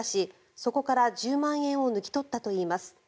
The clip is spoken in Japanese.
そこから１０万円を抜き取ったといいます。